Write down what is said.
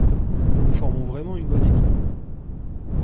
Nous formons vraiment une bonne équipe.